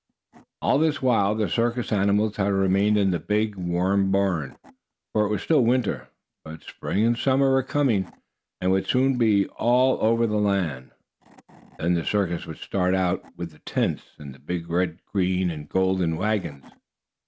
All this while the circus animals had remained in the big, warm barn, for it was still winter. But spring and summer were coming, and would soon be over all the land. Then the circus would start out with the tents, and the big red, green and golden wagons.